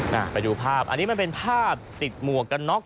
ไปดูภาพอันนี้มันเป็นภาพติดหมวกกันน็อก